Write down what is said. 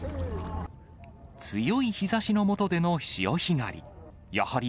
強い日ざしのもとでの潮干狩り。